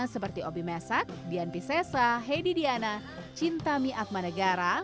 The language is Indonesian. seperti obi mesak dian piscesa hedi diana cinta mie akmanegara